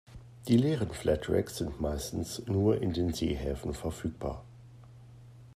Die leeren Flat Racks sind meistens nur in den Seehäfen verfügbar.